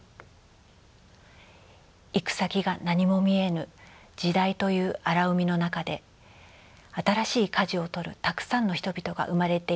「行く先が何も見えぬ時代という荒海の中で新しい舵を取るたくさんの人々が生まれているはずである。